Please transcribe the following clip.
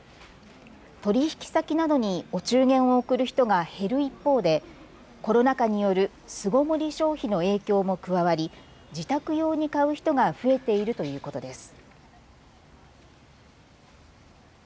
取引先などにお中元を贈る人が減る一方でコロナ禍による巣ごもり消費の影響も加わり自宅用に買う人が増えているということです。